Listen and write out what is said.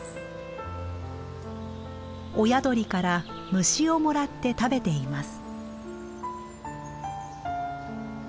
親鳥から虫をもらって食べています。